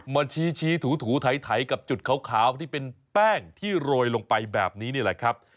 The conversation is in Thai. มาชี้ถูไถกับจุดขาวที่เป็นแป้งที่โรยลงไปแบบนี้นี่แหละครับ